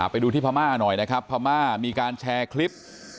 ไปดูที่พระมาอร์หน่อยนะครับพระมาร์มีการแชร์คลิป